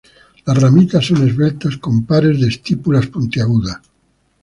Las ramitas son esbeltas con pares de estípulas puntiagudas.